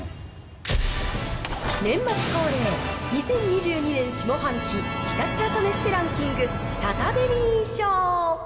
年末恒例、２０２２年下半期、ひたすら試してランキングサタデミー賞。